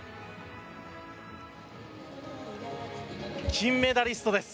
金メダリストです。